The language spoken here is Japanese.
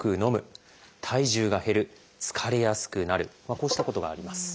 こうしたことがあります。